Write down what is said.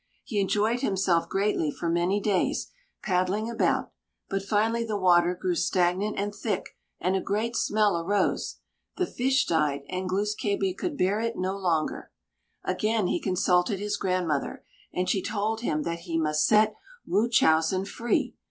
He enjoyed himself greatly for many days, paddling about; but finally the water grew stagnant and thick, and a great smell arose. The fish died, and Glūs kābé could bear it no longer. Again he consulted his grandmother, and she told him that he must set Wūchowsen free.